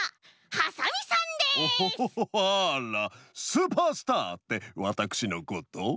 スーパースターってわたくしのこと？